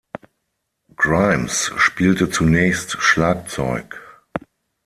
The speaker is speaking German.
Grimes spielte zunächst Schlagzeug.